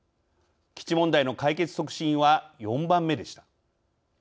基地問題の解決促進は４番目でした。